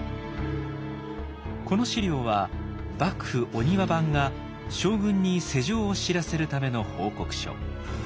この史料は幕府御庭番が将軍に世情を知らせるための報告書。